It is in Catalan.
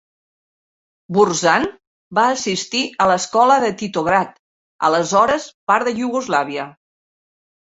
Burzan va assistir a l'escola de Titograd, aleshores part de Iugoslàvia.